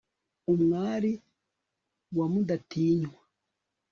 umwari wa mudatinywa